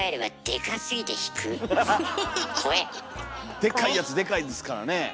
でかいやつでかいですからねえ。